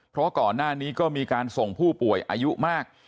เพราะก่อนหน้านี้ก็มีการส่งผู้ป่วยอายุมาก